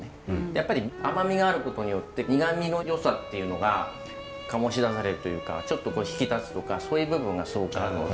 やっぱり甘みがあることによって苦味のよさっていうのが醸し出されるというかちょっと引き立つとかそういう部分がすごくあるので。